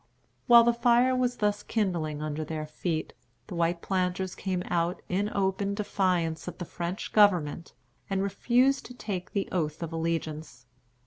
While the fire was thus kindling under their feet the white planters came out in open defiance of the French government, and refused to take the oath of allegiance.